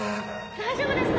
大丈夫ですか？